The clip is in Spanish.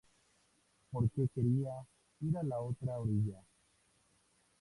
Porque quería ir a la otra orilla".